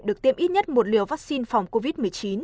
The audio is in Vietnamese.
được tiêm ít nhất một liều vaccine phòng covid một mươi chín